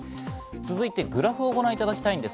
続いてグラフをご覧いただきます。